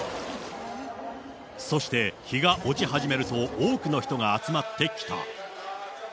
そして、日が落ち始めると、多くの人が集まってきた。